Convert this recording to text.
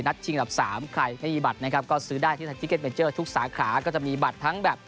นัดชิงอันดับสามใครไม่มีบัตรนะครับก็ซื้อได้ที่ทุกสาขาก็จะมีบัตรทั้งแบบ